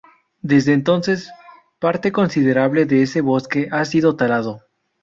Desde entonces, parte considerable de ese bosque ha sido talado.